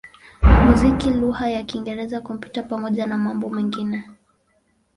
muziki lugha ya Kiingereza, Kompyuta pamoja na mambo mengine.